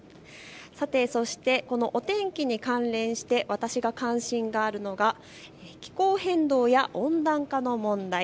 そしてこのお天気に関連して私が関心があるのが気候変動や温暖化の問題。